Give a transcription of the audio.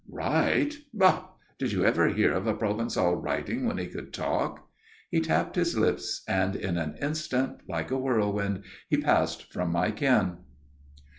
"Write? Bah! Did you ever hear of a Provençal writing when he could talk?" He tapped his lips, and in an instant, like a whirlwind, he passed from my ken.